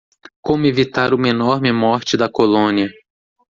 Como evitar uma enorme morte da colônia.